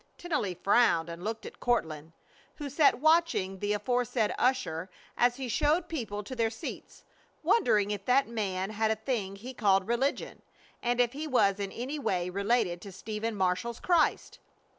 Tennelly frowned and looked at Courtland, who sat watching the aforesaid usher as he showed people to their seats, wondering if that man had a thing he called religion, and if he was in any way related to Stephen Marshall's Christ.